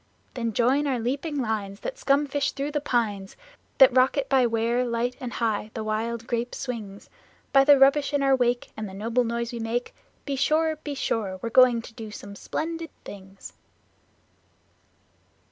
Then join our leaping lines that scumfish through the pines, That rocket by where, light and high, the wild grape swings. By the rubbish in our wake, and the noble noise we make, Be sure, be sure, we're going to do some splendid things!